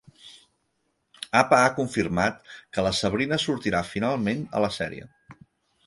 Apa ha confirmat que la Sabrina sortirà finalment a la serie.